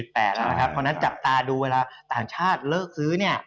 เพราะฉะนั้นจับตาดูเวลาต่างชาติเลิกซื้อ